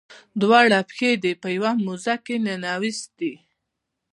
دواړه پښې دې په یوه موزه کې ننویستې.